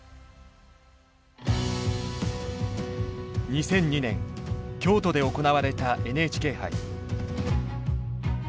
２００２年京都で行われたＮＨＫ杯。